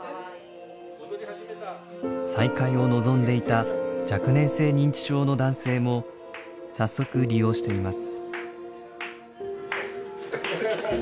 再開を望んでいた若年性認知症の男性も早速利用しています。